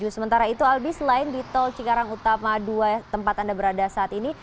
sementara itu albi selain di tol cikarang utama dua tempat anda berada saat ini